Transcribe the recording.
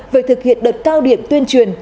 về thực hiện đợt cao điểm tuyên truyền